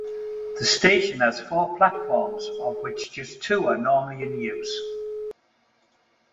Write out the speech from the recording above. The station has four platforms, of which just two are normally in use.